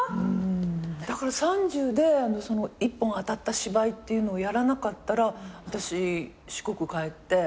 だから３０でその１本当たった芝居っていうのをやらなかったらあたし四国帰って。